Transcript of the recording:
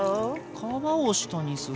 皮を下にするんだ。